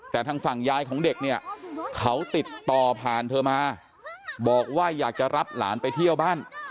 แต่ทางฝั่งยายของเด็กเนี่ยเขาติดต่อผ่านเธอมาบอกว่าอยากจะรับหลานไปเที่ยวบ้าน